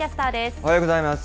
おはようございます。